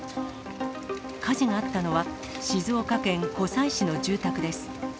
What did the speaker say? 火事があったのは、静岡県湖西市の住宅です。